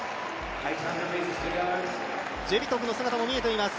ジェビトクの姿も見えています。